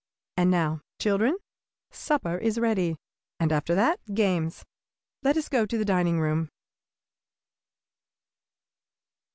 And now, children, supper is ready, and after that games. Let us go to the dining room!"